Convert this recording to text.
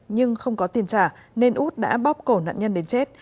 nhưng không có tiền trả nên út đã bóp cổ nạn nhân đến chết